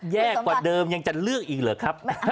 แย่กว่าเดิมยังจะเลือกอีกเหรอครับ